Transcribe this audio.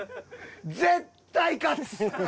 絶対勝つ！